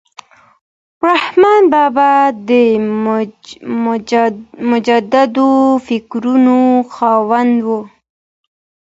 رحمان بابا د مجردو فکرونو خاوند و.